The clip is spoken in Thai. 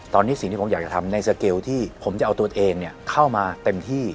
ตอนนี้สิ่งที่ผมอยากจะทำในสเกลที่ผมจะเอาตัวเองเข้ามาเต็มที่